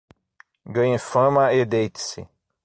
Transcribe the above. Ganhe fama e deite-se.